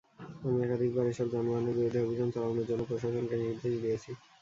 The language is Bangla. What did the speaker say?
আমি একাধিকবার এসব যানবাহনের বিরুদ্ধে অভিযান চালানোর জন্য প্রশাসনকে নির্দেশ দিয়েছি।